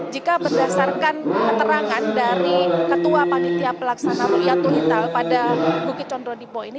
jika berdasarkan keterangan dari ketua panitia pelaksanaan rukyatul hilal pada bukit condronipo ini